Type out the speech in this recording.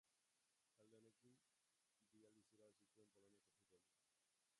Talde honekin bi aldiz irabazi zuen Poloniako Futbol Liga.